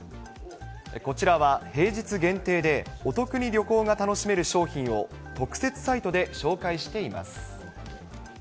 こちらは平日限定で、お得に旅行が楽しめる商品を、特設サイトで紹介しています。